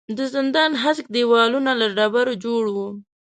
د زندان هسک دېوالونه له ډبرو جوړ وو.